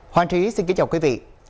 hoàng trí xin kính chào quý vị